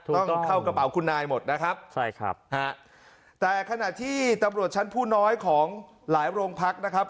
ต้องเข้ากระเป๋าคุณนายหมดนะครับใช่ครับฮะแต่ขณะที่ตำรวจชั้นผู้น้อยของหลายโรงพักนะครับ